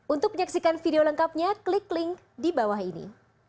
untuk menyaksikan video lengkapnya klik link di bawah ini